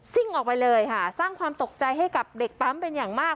่งออกไปเลยค่ะสร้างความตกใจให้กับเด็กปั๊มเป็นอย่างมาก